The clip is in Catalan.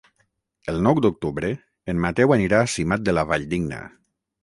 El nou d'octubre en Mateu anirà a Simat de la Valldigna.